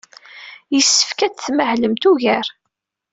Yessefk ad tmahlemt ugar.